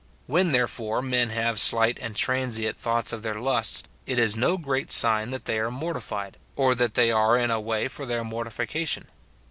When, therefore, men have slight and transient thoughts of their lusts, it is no great sign that they are mortified, or that they are in a way for their mortification.